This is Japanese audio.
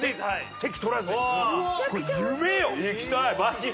席取らずに。